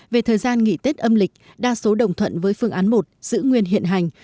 về thời gian nghỉ tết âm lịch đa số đồng thuận với phương án một giữ nguyên hiện hành